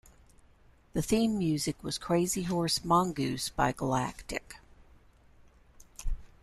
The theme music was "Crazyhorse Mongoose" by Galactic.